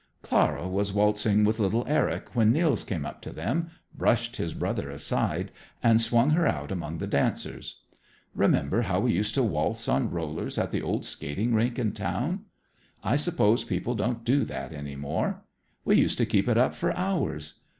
Clara was waltzing with little Eric when Nils came up to them, brushed his brother aside, and swung her out among the dancers. "Remember how we used to waltz on rollers at the old skating rink in town? I suppose people don't do that any more. We used to keep it up for hours.